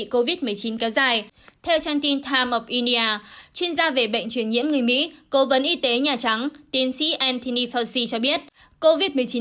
covid một mươi chín kéo dài có thể xảy ra trong thời gian tối đa sáu tháng sau khi hồi phục